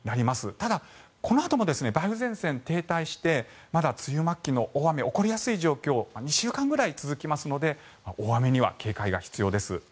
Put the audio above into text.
ただ、このあとも梅雨前線が停滞してまだ梅雨末期の大雨が残りやすい状況が２週間ぐらい続きますので大雨には警戒が必要です。